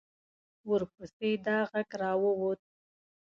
ورپسې دا غږ را ووت.